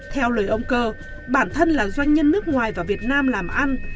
theo lời ông cơ bản thân là doanh nhân nước ngoài và việt nam làm ăn